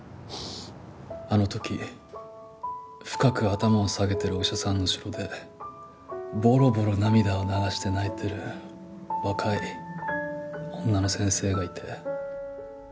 あの時深く頭を下げてるお医者さんの後ろでボロボロ涙を流して泣いてる若い女の先生がいて。